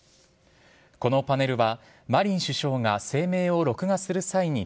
このパネルはマリン首相が声明を録画する際に